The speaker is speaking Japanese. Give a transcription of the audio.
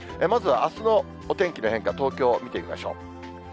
まずはあすのお天気の変化、東京見てみましょう。